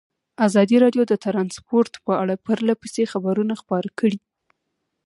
ازادي راډیو د ترانسپورټ په اړه پرله پسې خبرونه خپاره کړي.